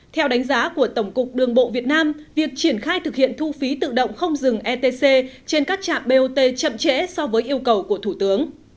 theo đánh giá của tổng cục đường bộ việt nam việc triển khai thực hiện thu phí tự động không dừng etc trên các trạm bot chậm trễ so với yêu cầu của thủ tướng